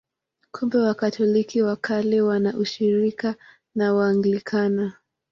Kumbe Wakatoliki wa Kale wana ushirika na Waanglikana.